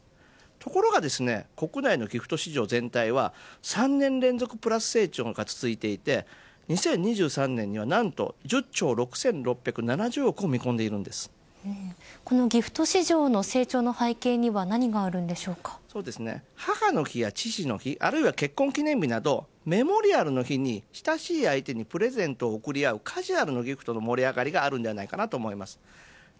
ところが国内のギフト市場全体は３年連続プラス成長が続いていて２０２３年には何と１０兆６６７０億円をこのギフト市場の成長の母の日や父の日あるいは結婚記念日などメモリアルの日に親しい相手にプレゼントを贈り合う、カジュアルなギフトの盛り上がりがあるのではないかと思います。